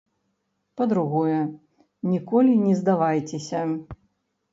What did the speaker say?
Па-другое, ніколі не здавайцеся.